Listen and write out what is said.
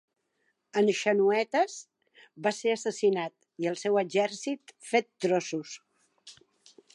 En Xenoetas va ser assassinat, i el seu exèrcit fet trossos.